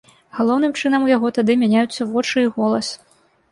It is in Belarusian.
Галоўным чынам у яго тады мяняюцца вочы і голас.